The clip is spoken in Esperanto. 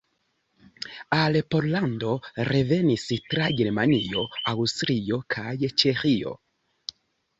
Al Pollando revenis tra Germanio, Aŭstrio kaj Ĉeĥio.